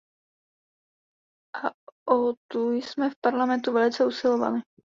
A o tu jsme v Parlamentu velice usilovali.